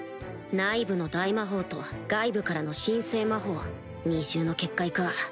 内部の大魔法と外部からの神聖魔法二重の結界か